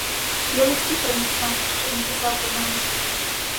Я листи принесла, що він писав до мене.